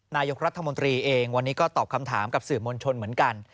นายกรัฐมนตรีเองวันนี้ก็ตอบคำถามกับสื่อมวลชนเหมือนกัน